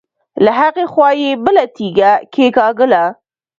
له هغې خوا يې بله تيږه کېکاږله.